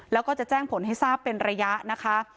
แล้วก็จะแจ้งผลให้ทราบเป็นระยะนะคะ